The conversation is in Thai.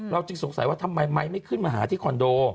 จึงสงสัยว่าทำไมไมค์ไม่ขึ้นมาหาที่คอนโด